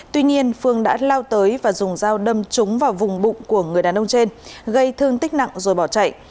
tuy nhiên phương đã lao tới và dùng dao đâm trúng vào vùng bụng của người đàn ông trên gây thương tích nặng rồi bỏ chạy